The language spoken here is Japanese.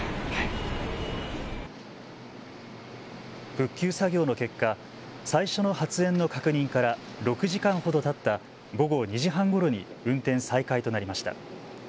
復旧作業の結果、最初の発煙の確認から６時間ほどたった午後２時半ごろに運転再開となりました。